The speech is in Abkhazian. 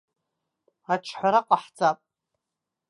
Аҿҳәара ҟаҳҵап.